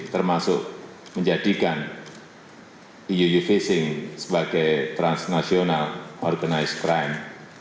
termasuk menjadikan eu uv sing sebagai transnasional organized crime